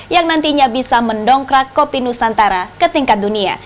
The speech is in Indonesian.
yang nantinya bisa mendongkrak kopi nusantara ke tingkat dunia